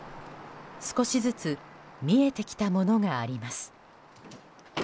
少しずつ見えてきたものがあります。